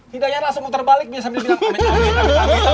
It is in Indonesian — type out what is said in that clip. hidayahnya langsung muter balik biasa dia bilang